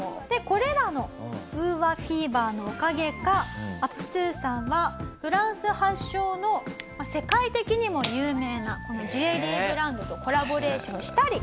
これらのＵＡフィーバーのおかげかアプスーさんはフランス発祥の世界的にも有名なジュエリーブランドとコラボレーションしたり。